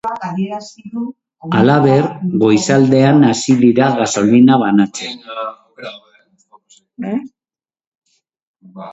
Halaber, goizaldean hasi dira gasolina banatzen.